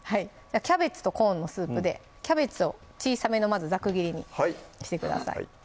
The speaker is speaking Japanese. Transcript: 「キャベツとコーンのスープ」でキャベツを小さめのまずざく切りにしてください